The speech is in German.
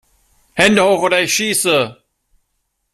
Hände hoch oder ich schieße!